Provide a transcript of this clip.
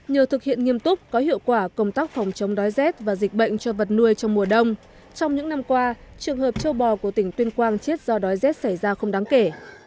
nhờ thực hiện nghiêm túc có hiệu quả công tác phòng chống đói rét và dịch bệnh cho vật nuôi trong mùa đông trong những năm qua trường hợp châu bò của tỉnh tuyên quang chết do đói rét xảy ra không đáng kể